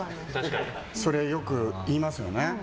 それよく言いますよね。